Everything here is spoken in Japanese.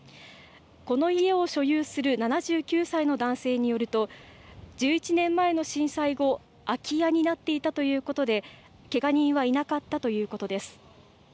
この家を所有する７９歳の男性によると１１年前の震災後、空き家になっていたということでけが人はいなかったということです。